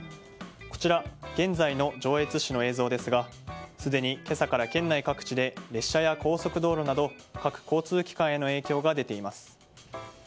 こちら現在の上越市の映像ですがすでに今朝から県内各地で列車や高速道路など各交通機関への影響が出ています。